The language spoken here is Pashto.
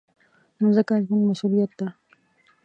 مځکه زموږ مسؤلیت ده.